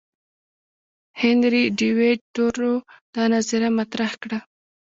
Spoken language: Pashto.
هنري ډیویډ تورو دا نظریه مطرح کړه.